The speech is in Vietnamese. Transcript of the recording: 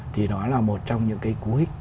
thì nó là một trong những cái cú hích